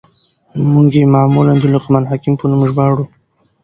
موږ ئې معمولاً د لقمان حکيم په نوم ژباړو.